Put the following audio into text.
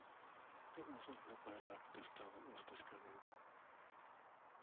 It was only by luck this planet was discovered.